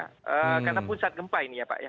karena pun saat gempa ini ya pak ya